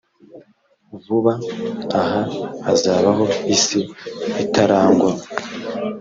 vuba aha hazabaho isi itarangwa